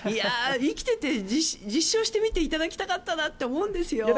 生きてて実証していただきたかったなと思ったんですよ。